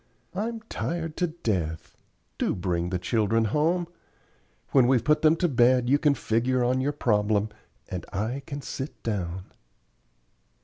I'm tired to death. Do bring the children home. When we've put them to bed you can figure on your problem, and I can sit down."